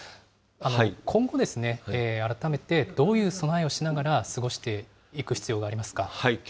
今後、改めて、どういう備えをしながら過ごしていく必要がありま